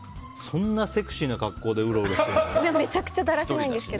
そんなセクシーな格好でうろうろしてるんですか？